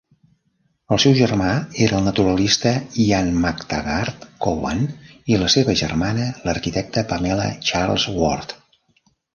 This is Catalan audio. El seu germà era el naturalista Ian McTaggart-Cowan i la seva germana l'arquitecta Pamela Charlesworth.